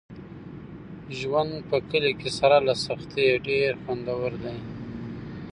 ژوند په کلي کې سره له سختۍ ډېر خوندور دی.